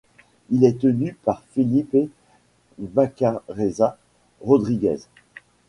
Il est tenu par Felipe Bacarreza Rodríguez.